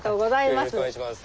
よろしくお願いします。